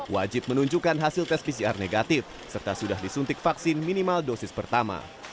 wajib menunjukkan hasil tes pcr negatif serta sudah disuntik vaksin minimal dosis pertama